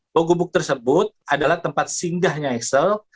bahwa gubuk tersebut adalah tempat singgahnya excel